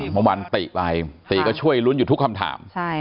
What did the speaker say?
เมื่อวานติ๊ไปติ๊ก็ช่วยลุ้นอยู่ทุกคำถาม